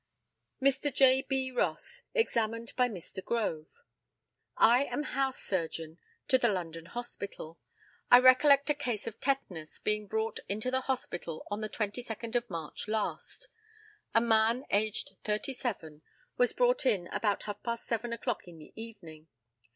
Mr. J. B. ROSS, examined by Mr. GROVE: I am house surgeon to the London Hospital. I recollect a case of tetanus being brought into the hospital on the 22d of March last. A man, aged thirty seven, was brought in about half past seven o'clock in the evening.